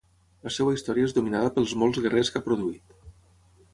La seva història és dominada pels molts guerrers que ha produït.